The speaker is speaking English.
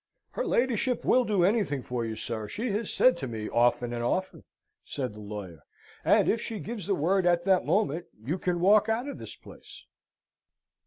"Her ladyship will do anything for you, sir; she has said so to me, often and often," said the lawyer; "and, if she gives the word at that moment you can walk out of this place."